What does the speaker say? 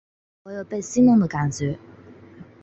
我有被戏弄的感觉